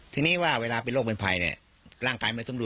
ทีนี้ว่าเวลาเป็นโรคเป็นภัยเนี่ยร่างกายไม่สมร